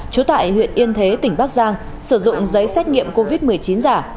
trú tại huyện yên thế tỉnh bắc giang sử dụng giấy xét nghiệm covid một mươi chín giả